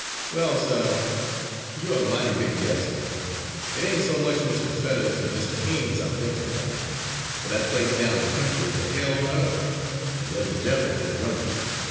"Well, sir, you're a mighty good guesser. It ain't so much Mr. Fetters an' Mr. Haines I'm thinkin' about, for that place down the country is a hell on earth, an' they're the devils that runs it.